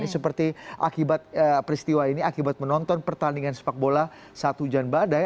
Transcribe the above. seperti akibat peristiwa ini akibat menonton pertandingan sepak bola saat hujan badai